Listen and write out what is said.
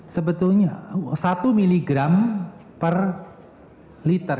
sebetulnya satu miligram per liter